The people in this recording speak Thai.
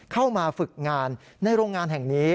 เข้ามาฝึกงานในโรงงานแห่งนี้